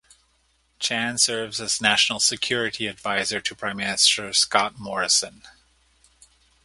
Chan serves as National Security Adviser to Prime Minister Scott Morrison.